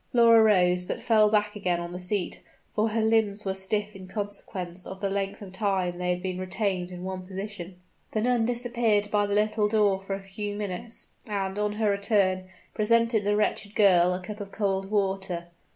Flora rose, but fell back again on the seat for her limbs were stiff in consequence of the length of time they had been retained in one position. The nun disappeared by the little door for a few minutes; and, on her return, presented the wretched girl a cup of cold water.